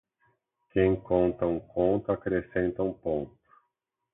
Quem conta um conto, acrescenta um ponto.